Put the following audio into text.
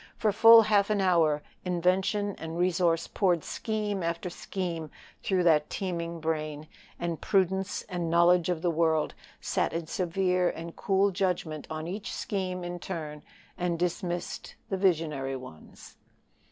For full half an hour invention and resource poured scheme after scheme through that teeming brain, and prudence and knowledge of the world sat in severe and cool judgment on each in turn, and dismissed the visionary ones.